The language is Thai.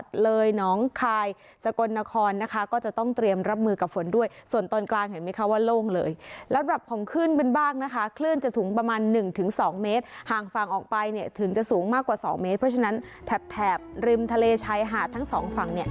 ถึงจะสูงมากกว่าสองเมตรเพราะฉะนั้นแถบแถบริมทะเลชัยหาดทั้งสองฝั่งเนี้ย